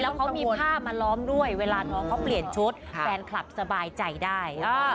เขามีผ้ามาล้อมด้วยเวลาน้องเขาเปลี่ยนชุดแฟนคลับสบายใจได้